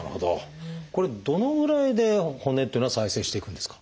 これどのぐらいで骨っていうのは再生していくんですか？